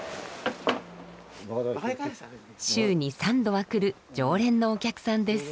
週に３度は来る常連のお客さんです。